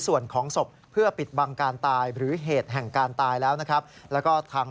ส่วนเรื่องของคดีนะครับด้านของ